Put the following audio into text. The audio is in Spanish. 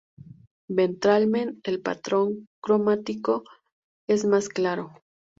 Ventralmente el patrón cromático es más claro.